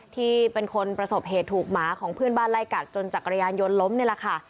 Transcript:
ที่เป็นคนประสบเหตุถูกหมาของเพื่อนบ้านไล่กัดจนจักรยานยนต์ล้มนี่แหละค่ะ